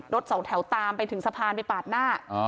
สองแถวตามไปถึงสะพานไปปาดหน้า